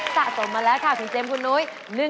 สะสมมาแล้วค่ะคุณเจมส์คุณนุ้ย